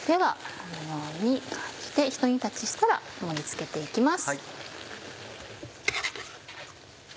このようにひと煮立ちしたら盛り付けて行きます。